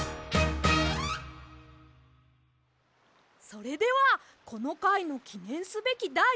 それではこのかいのきねんすべきだい